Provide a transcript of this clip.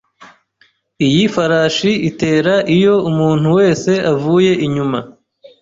Iyi farashi itera iyo umuntu wese avuye inyuma.